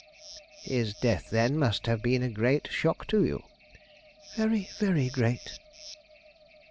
"His death, then, must have been a great shock to you?" "Very, very great."